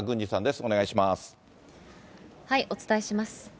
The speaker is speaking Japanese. お伝えします。